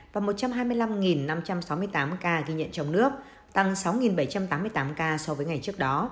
và một trăm hai mươi năm năm trăm sáu mươi tám ca ghi nhận trong nước tăng sáu bảy trăm tám mươi tám ca so với ngày trước đó